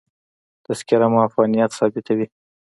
تذکره مو افغانیت ثابتوي.